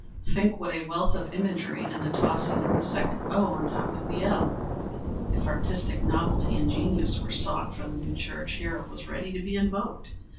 Think what a wealth of imagery in the tossing of the second O on top of the L. If artistic novelty and genius were sought for the new church, here it was ready to be invoked.